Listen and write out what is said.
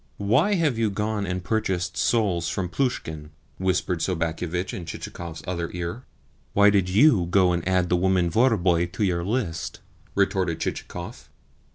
"Why have you gone and purchased souls from Plushkin?" whispered Sobakevitch in Chichikov's other ear. "Why did YOU go and add the woman Vorobei to your list?" retorted Chichikov.